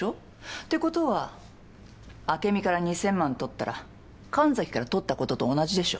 ってことは朱美から２，０００万取ったら神崎から取ったことと同じでしょ。